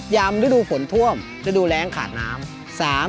ฤดูฝนท่วมฤดูแรงขาดน้ำ